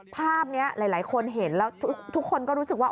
ภาพนี้หลายคนเห็นแล้วทุกคนก็รู้สึกว่า